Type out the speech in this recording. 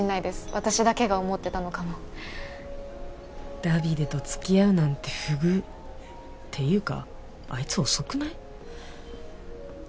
私だけが思ってたのかもダビデと付き合うなんて不遇っていうかあいつ遅くない？